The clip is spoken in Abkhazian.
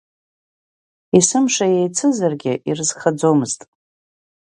Есымша еицызаргьы ирызхаӡомызт.